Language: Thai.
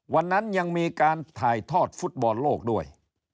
วันนั้นยังมีการถ่ายทอดฟุตบอลโลกด้วย